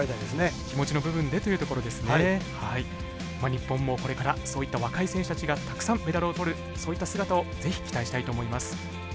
日本もこれからそういった若い選手たちがたくさんメダルを取るそういった姿を是非期待したいと思います。